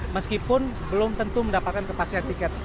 meskipun belum tentu mendapatkan kepastian tiket